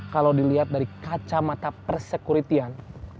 kalau dilihat dari kacamata persekuritian